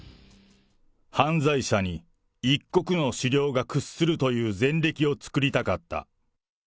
犯罪者に、一国の首領が屈するという前歴を作りたかった。